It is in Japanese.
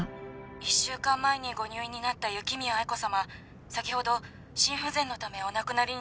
「１週間前にご入院になった雪宮愛子様先ほど心不全のためお亡くなりになりました」